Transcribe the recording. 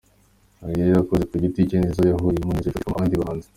Hari izo yakoze ku giti cye n’izo yahuriyemo n’izo yifashishijemo abandi bahanzi.